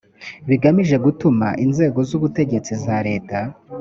bigamije gutuma inzego z ubutegetsi za leta